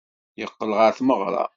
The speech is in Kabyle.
Yeqqel ɣer tmeɣra.